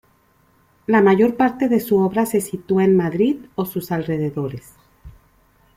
La mayor parte de su obra se sitúa en Madrid o sus alrededores.